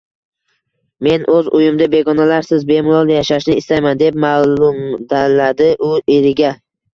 Men o`z uyimda begonalarsiz bemalol yashashni istayman, deb ma`lumladi u eriga